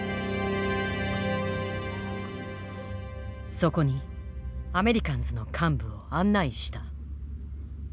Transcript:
そこにアメリカンズの幹部を案内した。